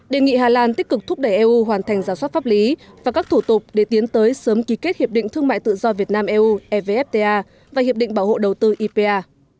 đề nghị hà lan tích cực thúc đẩy eu hoàn thành giả soát pháp lý và các thủ tục để tiến tới sớm ký kết hiệp định thương mại tự do việt nam eu evfta và hiệp định bảo hộ đầu tư ipa